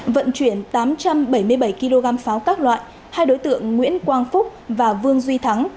vận chuyển tám trăm bảy mươi bảy kg pháo các loại hai đối tượng nguyễn quang phúc và vương duy thắng